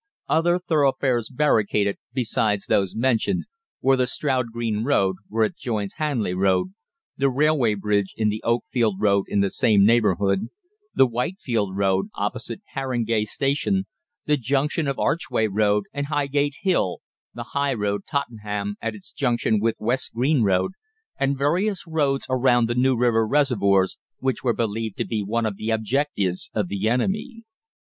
Other thoroughfares barricaded, beside those mentioned, were the Stroud Green Road, where it joins Hanley Road; the railway bridge in the Oakfield Road in the same neighbourhood; the Wightman Road, opposite Harringay Station, the junction of Archway Road and Highgate Hill; the High Road, Tottenham, at its junction with West Green Road, and various roads around the New River reservoirs, which were believed to be one of the objectives of the enemy.